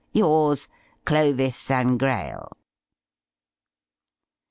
"Yours, "CLOVIS SANGRAIL."